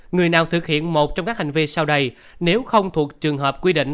người nào thực hiện một trong các hành vi sau đây nếu không thuộc trường hợp quy định